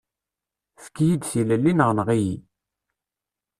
Efk-iyi-d tilelli neɣ enɣ-iyi.